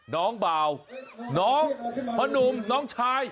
น้องเบาพะนุ่มน้องชาย